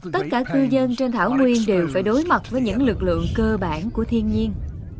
tất cả cư dân trên thảo nguyên đều phải đối mặt với những lực lượng cơ bản của thiên nhiên